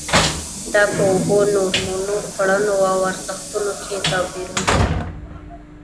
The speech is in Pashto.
دا په اوبو، نورمونو، کړنو او ارزښتونو کې توپیرونه دي.